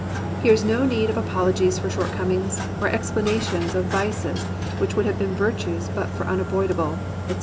Here is no need of apologies for shortcomings, or explanations of vices which would have been virtues but for un avoidable, etc.